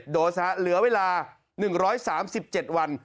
๒๓๕๙๒๒๒๗โดสเหลือเวลา๑๓๗วัน